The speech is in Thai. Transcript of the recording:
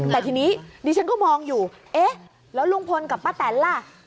แต่ทีนี้ดิฉันก็มองอยู่เอ๊ะแล้วลุงพลกับป้าแตนล่ะ